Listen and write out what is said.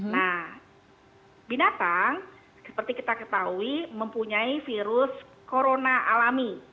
nah binatang seperti kita ketahui mempunyai virus corona alami